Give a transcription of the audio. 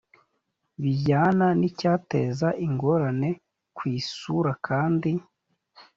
bijyana n icyateza ingorane ku isura kandi